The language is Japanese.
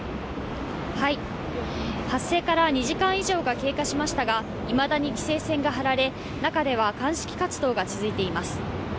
発生から２時間以上が経過しましたがいまだに規制線が張られ中では鑑識活動が続いています。